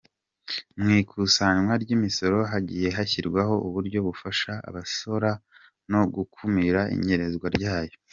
Mu ikusanywa ry’imisoro hagiye hashyirwaho uburyo bufasha abasora no gukumira inyererezwa ryayo.